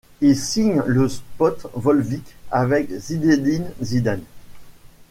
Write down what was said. Il signe le spot Volvic avec Zinédine Zidane.